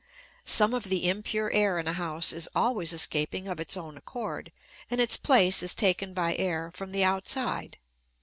Some of the impure air in a house is always escaping of its own accord and its place is taken by air from the outside.